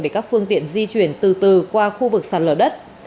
để các phương tiện di chuyển từ từ qua khu vực sạt lở đất